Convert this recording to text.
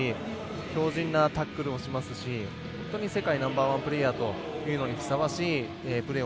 強じんなタックルをしますし本当に世界ナンバーワンプレーヤーというのにふさわしいプレーを